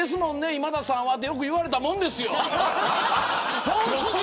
今田さんはってよく言われたもんですよ。